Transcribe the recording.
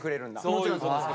もちろんそうです。